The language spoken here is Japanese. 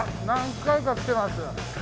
何回か来てます。